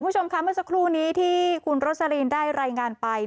คุณผู้ชมค่ะเมื่อสักครู่นี้ที่คุณโรสลินได้รายงานไป